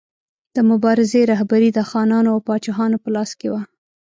د مبارزې رهبري د خانانو او پاچاهانو په لاس کې وه.